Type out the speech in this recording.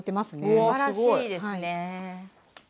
すばらしいですね！